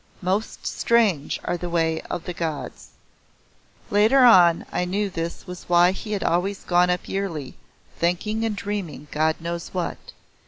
Most strange are the way of the Gods'. Later on I knew this was why he had always gone up yearly, thinking and dreaming God knows what.